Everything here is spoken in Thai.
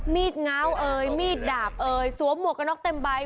ง้าวเอ่ยมีดดาบเอ่ยสวมหมวกกระน็อกเต็มใบ